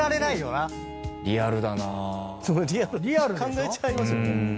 考えちゃいますよね。